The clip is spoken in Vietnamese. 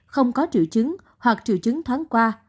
không có triệu chứng hoặc triệu chứng thoáng qua